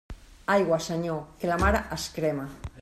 Aigua, Senyor, que la mar es crema.